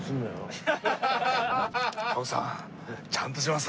徳さんちゃんとします。